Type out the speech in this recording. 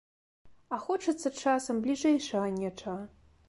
А хочацца часам бліжэйшага нечага.